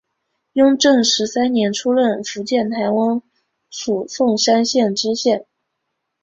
雍正十三年出任福建台湾府凤山县知县。